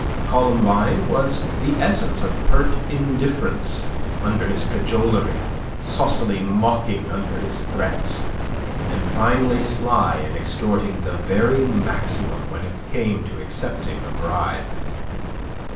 Columbine was the essence of pert indifference under his cajolery, saucily mocking under his threats, and finely sly in extorting the very maximum when it came to accepting a bribe.